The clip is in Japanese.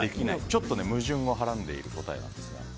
ちょっと矛盾をはらんでいる答えなんですが。